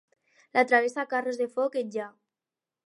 La travessa Carros de Foc enlla